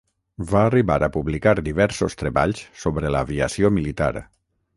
Va arribar a publicar diversos treballs sobre l'aviació militar.